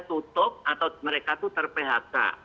tutup atau mereka tuh ter phk